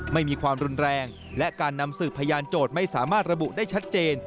ไม่มีความรุนแรงและการนำสืบพยานโจทย์ไม่สามารถระบุได้ชัดเจน